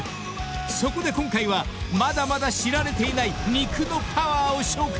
［そこで今回はまだまだ知られていない肉のパワーを紹介］